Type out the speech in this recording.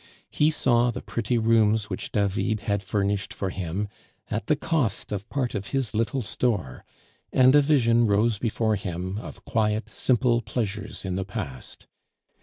He saw the pretty rooms which David had furnished for him, at the cost of part of his little store, and a vision rose before him of quiet, simple pleasures in the past.